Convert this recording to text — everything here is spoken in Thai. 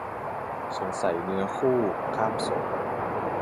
สงสัยเนื้อคู่ ข้ามศพ